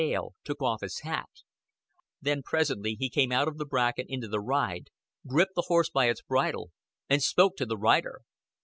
Dale took off his hat. Then presently he came out of the bracken into the ride, gripped the horse by its bridle, and spoke to the rider.